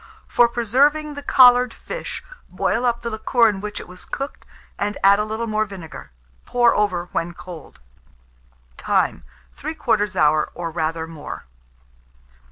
For preserving the collared fish, boil up the liquor in which it was cooked, and add a little more vinegar. Pour over when cold. Time. 3/4 hour, or rather more.